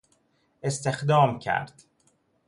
استخدام کرد